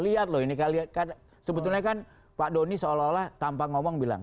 lihat loh ini sebetulnya kan pak doni seolah olah tanpa ngomong bilang